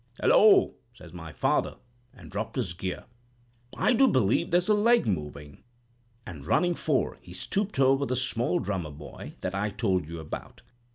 'Hullo!' says my father, and dropped his gear, 'I do believe there's a leg moving?' and running fore, he stooped over the small drummer boy that I told you about.